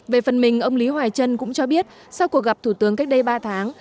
về phần mình ông lý hoài chân cũng cho biết sau cuộc gặp thủ tướng cách đây ba tháng